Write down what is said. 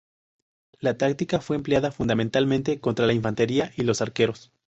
La táctica fue empleada fundamentalmente contra la infantería y los arqueros.